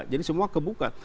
jadi semua kebuka